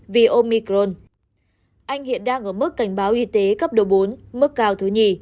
vì omicron anh hiện đang ở mức cảnh báo y tế cấp độ bốn mức cao thứ nhì